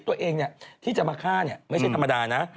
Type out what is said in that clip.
ตัวเองที่จะมาฆ่าไม่ใช่ธรรมดานะ